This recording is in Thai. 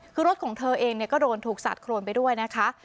คือรถของเธอเองเนี่ยก็โดนถูกศาสตร์โครนไปด้วยนะคะ